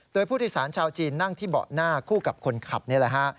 โดยผู้โดยสารชาวจีนนั่งที่เบาะหน้าคู่กับคนขับนี่แหละฮะ